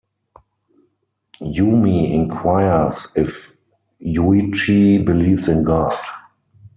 Yumi inquires if Yuichi believes in God.